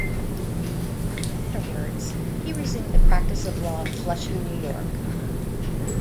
Afterwards he resumed the practice of law in Flushing, New York.